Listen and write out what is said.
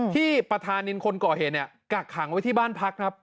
ที่ประธานินคนก่อเหตุเนี่ยกักขังไว้ที่บ้านพักครับ